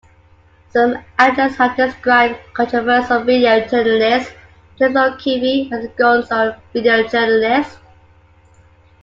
Some outlets have described controversial video journalist James O'Keefe as a gonzo video journalist.